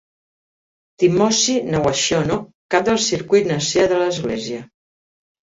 Timoci Nawaciono, cap del circuit Nasea de l'església.